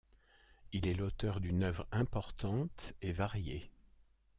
Il est l'auteur d'une œuvre importante et variée.